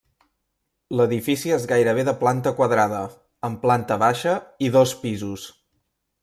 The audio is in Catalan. L'edifici és gairebé de planta quadrada, amb planta baixa i dos pisos.